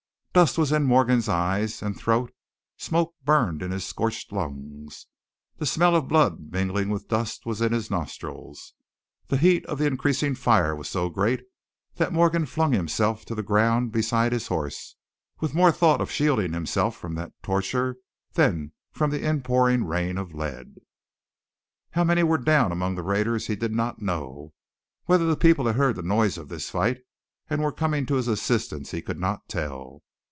Dust was in Morgan's eyes and throat, smoke burned in his scorched lungs. The smell of blood mingling with dust was in his nostrils. The heat of the increasing fire was so great that Morgan flung himself to the ground beside his horse, with more thought of shielding himself from that torture than from the inpouring rain of lead. How many were down among the raiders he did not know; whether the people had heard the noise of this fight and were coming to his assistance, he could not tell.